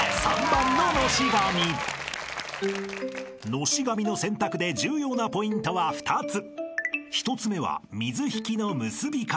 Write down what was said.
［のし紙の選択で重要なポイントは２つ］